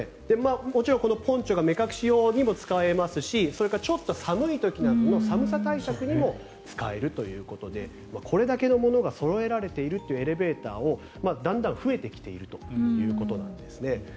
もちろんこのポンチョが目隠し用にも使えますしそれからちょっと寒い時の寒さ対策にも使えるということでこれだけのものがそろえられているというエレベーターをだんだん増えてきているということなんですね。